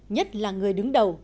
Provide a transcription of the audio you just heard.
nhất là người đứng đầu